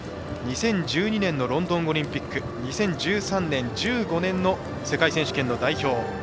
２０１２年のロンドンオリンピック２０１３年、１５年の世界選手権の代表。